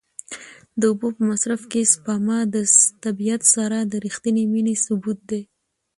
د اوبو په مصرف کې سپما د طبیعت سره د رښتینې مینې ثبوت دی.